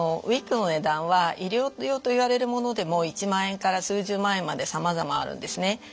ウイッグの値段は医療用といわれるものでも１万円から数十万円までさまざまあるんですね。